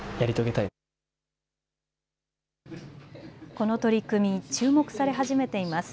この取り組み注目され始めています。